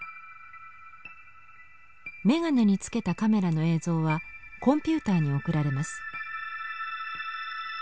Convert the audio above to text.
眼鏡につけたカメラの映像はコンピューターに送られます。